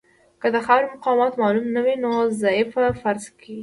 که د خاورې مقاومت معلوم نه وي نو ضعیفه فرض کیږي